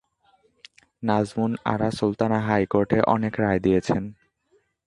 নাজমুন আরা সুলতানা হাইকোর্টে অনেক রায় দিয়েছেন।